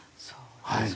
そう。